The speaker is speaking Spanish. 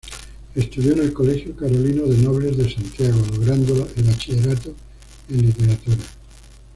Estudió en el Colegio Carolino de Nobles de Santiago, logrando el bachillerato en Literatura.